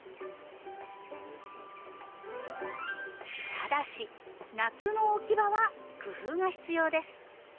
ただし夏の置き場は工夫が必要です。